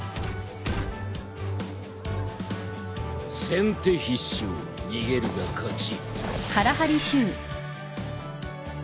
先手必勝逃げるが勝ち。